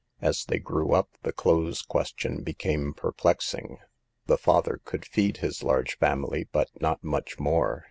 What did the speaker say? As they grew up the clothes question became perplexing. The father could feed his large family, but not much more.